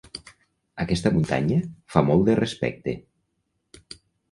Aquesta muntanya fa molt de respecte.